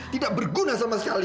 tidak berguna sama sekali